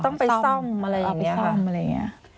ต้องไปซ่อมอะไรอย่างนี้